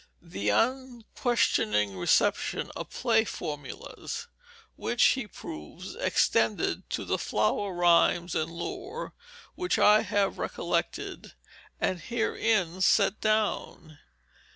The unquestioning reception of play formulas, which he proves, extended to the flower rhymes and lore which I have recollected and herein set down.